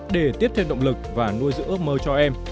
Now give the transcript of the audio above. để tiếp thêm động lực và nuôi giữ ước mơ cho em